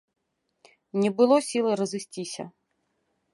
Не было сілы разысціся.